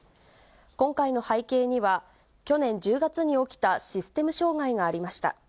今回の背景には、去年１０月に起きたシステム障害がありました。